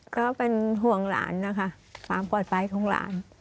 ก็เป็นห่วงหลานนะคะความปลอดภัยของหลาน